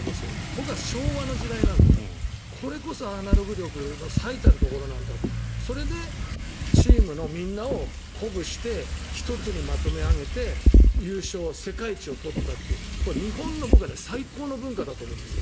僕は、昭和の時代なのでこれこそアナログ力の最たるところなんだそれでチームのみんなを鼓舞して一つにまとめ上げて優勝、世界一を取ったという日本の最高の文化だと思うんです。